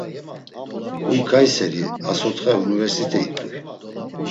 Huy K̆ayseri a sotxa universete it̆uy.